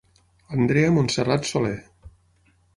Andrea Montserrat Solé.